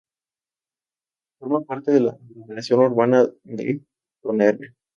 Forma parte de la aglomeración urbana de Tonnerre.